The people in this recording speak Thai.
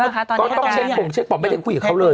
เค้าต้องเช็คบุ่งเช็คก่อนไม่ได้คุยกับเขาเลย